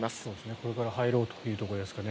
これから入ろうというところですかね。